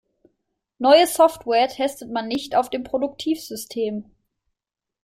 Neue Software testet man nicht auf dem Produktivsystem.